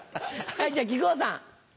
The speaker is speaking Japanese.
はいじゃ木久扇さん。